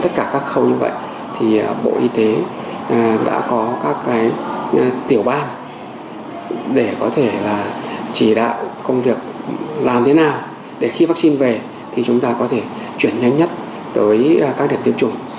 tất cả các khâu như vậy thì bộ y tế đã có các tiểu ban để có thể là chỉ đạo công việc làm thế nào để khi vaccine về thì chúng ta có thể chuyển nhanh nhất tới các điểm tiêm chủng